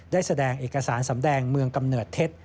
ได้แสดงเอกสารสำแดงเมืองกำเนิดเท็จ